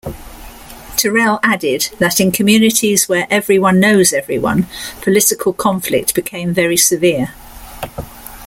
Terrell added that in communities "where everyone knows everyone" political conflict became very severe.